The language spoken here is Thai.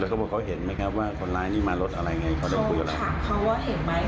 แล้วก็บอกเขาเห็นไหมครับว่าคนร้ายนี่มารถอะไรไงเขาถามเขาว่าเห็นไหม